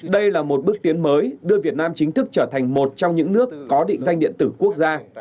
đây là một bước tiến mới đưa việt nam chính thức trở thành một trong những nước có định danh điện tử quốc gia